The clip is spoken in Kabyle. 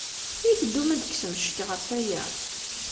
I teddum ad d-tekksem ccek ɣef waya?